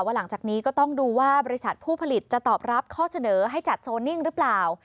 หลังจากนี้ก็ต้องดูว่าบริษัทผู้ผลิตจะตอบรับข้อเสนอให้จัดโซนิ่งหรือเปล่า